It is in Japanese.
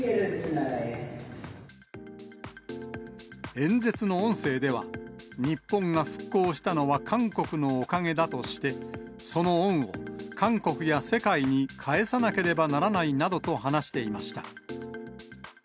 演説の音声では、日本が復興したのは韓国のおかげだとして、その恩を韓国や世界に返さなければならないなどと話していました。